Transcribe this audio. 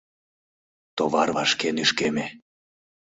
Товар вашке нӱшкеме.